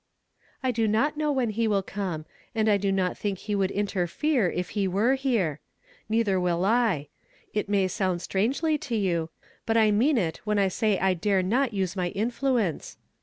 "I do ixot know when he will come, and I do not think he would interfere if he were here Neither will I, It may sound strangely to you but I mean it when I say th^t I dare not use ipy influence.